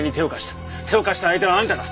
手を貸した相手はあんただ